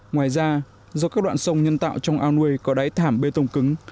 ngoài ra do các đoạn sông nhân tạo trong ao nuôi có đáy thảm bê tông cứng